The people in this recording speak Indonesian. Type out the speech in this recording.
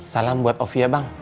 salam buat ovi ya bang